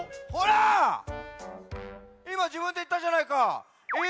いまじぶんでいったじゃないか！